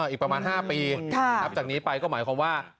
อีกประมาณ๕ปีนับจากนี้ไปก็หมายความว่า